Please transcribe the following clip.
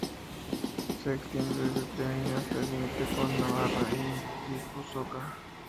Se extiende desde Treviño hasta el límite con Navarra y Guipúzcoa.